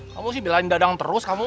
kamu sih belain dadang terus kamu